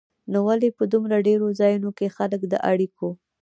نو ولې په دومره ډېرو ځایونو کې خلک د اړیکو